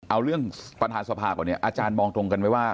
เอาเรื่องประธานสภาก่อนเนี่ยอาจารย์มองตรงกันไหมว่า